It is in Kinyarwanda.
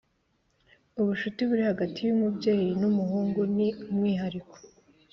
ubucuti buri hagati yumubyeyi numuhungu ni umwihariko